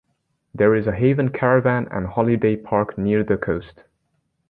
There is a Haven caravan and holiday park near the coast.